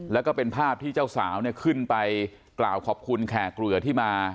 แล้วก็เป็นภาพที่เจ้าสาวเนี่ยขึ้นไปกล่าวขอบคุณแขกเรือที่มา